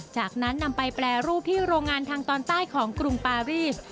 จากนั้นนำไปแปรรูปที่โรงงานทางตอนใต้ของกรุงปารีส